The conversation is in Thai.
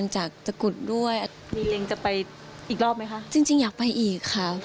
จริงอยากไปอีกครับ